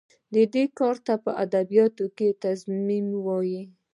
دې کار ته په ادبیاتو کې تضمین وايي.